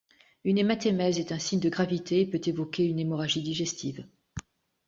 Une hématémèse est un signe de gravité et peut évoquer une hémorragie digestive.